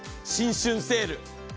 新春セール。